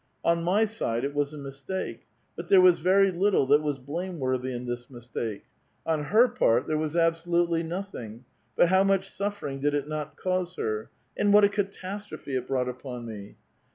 On my side, it was a mistake, but there was very little that was blameworthy in this mistake ; on her part, there was al>sohitely notliiiig: but how much suffering did it not cause her! And what a catastrophe it brought u[X)n me!